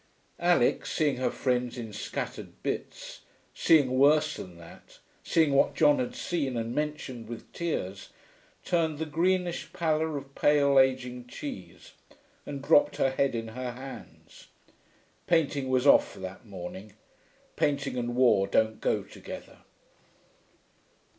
Alix, seeing her friends in scattered bits, seeing worse than that, seeing what John had seen and mentioned with tears, turned the greenish pallor of pale, ageing cheese, and dropped her head in her hands. Painting was off for that morning. Painting and war don't go together.